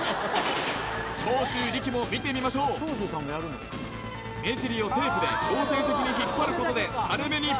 長州力も見てみましょう目尻をテープで強制的に引っ張ることでタレ目に！